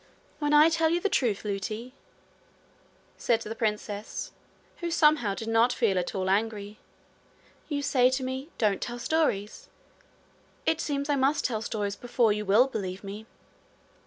'When I tell you the truth, Lootie,' said the princess, who somehow did not feel at all angry, 'you say to me "Don't tell stories": it seems I must tell stories before you will believe me.'